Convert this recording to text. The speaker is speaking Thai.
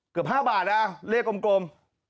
เกือบ๕บาทนะเลขกลม